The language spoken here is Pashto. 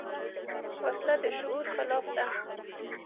وسله د شعور خلاف ده